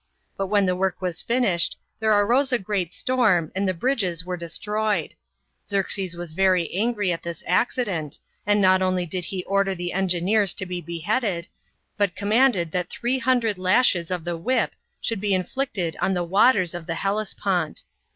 But when the work was finished, there arose a great storm, and the bridges were destroyed. Xerxes was very angry at this accident, and not only did he order'the engineers to be beheaded, but commanded that three hundred 3 lashes of the whip, should be inflicted on the waters of the Hellespont.